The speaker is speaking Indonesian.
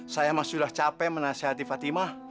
saya sudah capek menasihati fatimah